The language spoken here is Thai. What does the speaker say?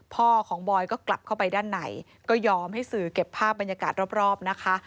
พ่อของบอยก็กลับเข้าไปด้านในก็ยอมให้สื่อเก็บภาพบรรยากาศรอบนะคะ